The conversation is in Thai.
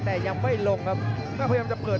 เพชรน้ำชายกระแทกพยายามจะตัดล่าง